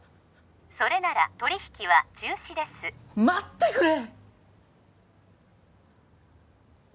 それなら取り引きは中止です待ってくれ！